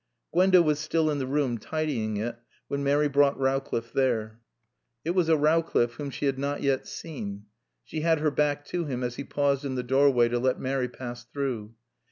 Gwenda was still in the room, tidying it, when Mary brought Rowcliffe there. It was a Rowcliffe whom she had not yet seen. She had her back to him as he paused in the doorway to let Mary pass through.